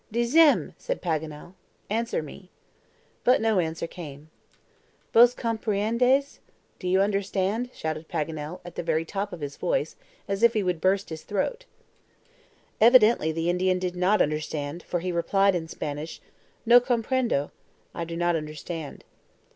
"DIZEIME!" said Paganel (Answer me). But no answer came. "Vos compriendeis?" (Do you understand?) shouted Paganel, at the very top of his voice, as if he would burst his throat. Evidently the Indian did not understand, for he replied in Spanish, "No comprendo" (I do not understand).